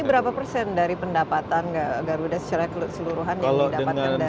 ini berapa persen dari pendapatan garuda secara keseluruhan yang didapatkan dari